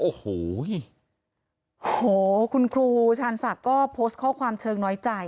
โอ้โหคุณครูชาญศักดิ์ก็โพสต์ข้อความเชิงน้อยใจ